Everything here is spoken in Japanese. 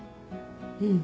うん。